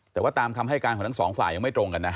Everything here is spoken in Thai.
แต่ว่าตามคำให้การของทั้งสองฝ่ายยังไม่ตรงกันนะ